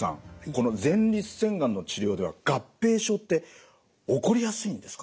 この前立腺がんの治療では合併症って起こりやすいんですか？